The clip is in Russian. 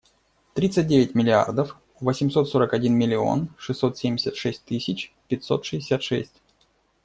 Тридцать девять миллиардов восемьсот сорок один миллион шестьсот семьдесят шесть тысяч пятьсот шестьдесят шесть.